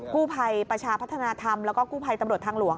ผู้ภัยประชาพัฒนาธรรมแล้วก็กู้ภัยตำรวจทางหลวง